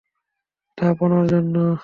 এটা আপনার জন্য।